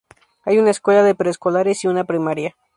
Hay una escuela de preescolares y una primaria.